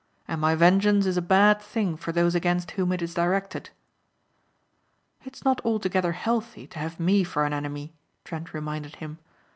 And my vengeance is a bad thing for those against whom it is directed." "It's not altogether healthy to have me for an enemy," Trent reminded him.